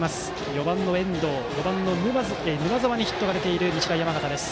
４番の遠藤、５番の沼澤にヒットが出ている日大山形です。